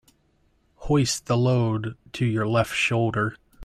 Hoist the load to your left shoulder.